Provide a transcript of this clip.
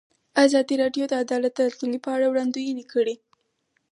ازادي راډیو د عدالت د راتلونکې په اړه وړاندوینې کړې.